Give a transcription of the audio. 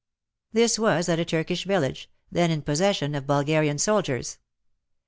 This was at a Turkish village, then in possession of Bulgarian soldiers.